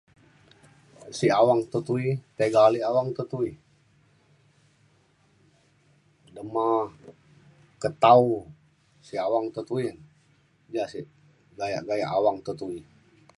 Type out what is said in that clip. Sio awang te tuwi tega ale awang te tuwi dema ketau sio awang te tuwi ja sek gayak gayak awang te tuwi